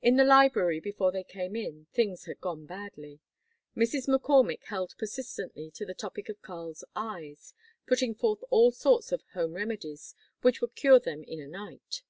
In the library before they came in, things had gone badly. Mrs. McCormick held persistently to the topic of Karl's eyes, putting forth all sorts of "home remedies" which would cure them in a night.